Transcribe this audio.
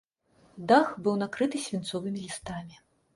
Дах быў накрыты свінцовымі лістамі.